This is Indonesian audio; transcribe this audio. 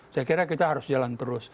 saya kira kita harus jalan terus